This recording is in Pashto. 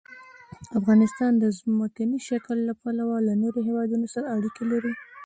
افغانستان د ځمکنی شکل له پلوه له نورو هېوادونو سره اړیکې لري.